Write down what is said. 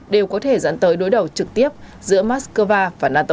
đều có thể dẫn tới đối đầu trực tiếp giữa moscow và nato